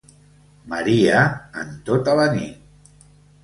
Maria en tota la nit.